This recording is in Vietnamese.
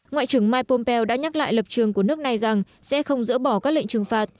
ngoại trưởng mike pompeo đã nhắc lại lập trường của nước này rằng sẽ không dỡ bỏ các lệnh trừng phạt